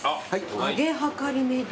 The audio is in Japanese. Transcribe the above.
揚げはかりめ丼。